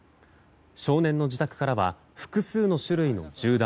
少年の自宅からは複数の種類の銃弾